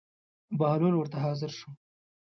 بهلول ورته حاضر شو.